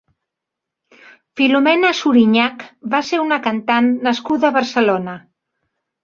Filomena Suriñach va ser una cantant nascuda a Barcelona.